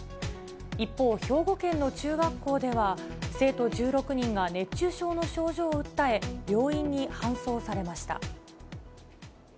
一方、兵庫県の中学校では、生徒１６人が熱中症の症状を訴え、病院に搬送されました。